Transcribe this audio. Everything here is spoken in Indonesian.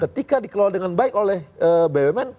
ketika dikelola dengan baik oleh bumn